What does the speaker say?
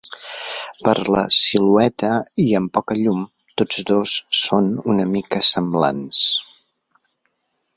Per la silueta i amb poca llum, tots dos són una mica semblants.